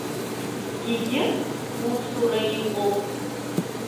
Егьырҭ усура иҟоуп.